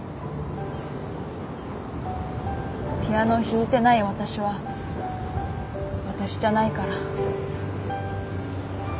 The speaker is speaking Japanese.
ピアノ弾いてない私は私じゃないから。